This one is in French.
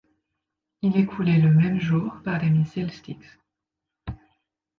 Il est coulé le même jour par des missiles Styx.